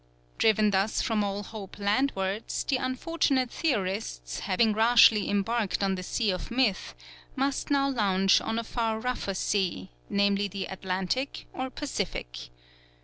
Driven thus from all hope landwards, the unfortunate theorists, having rashly embarked on the sea of myth, must now launch on a far rougher sea, namely the Atlantic or Pacific.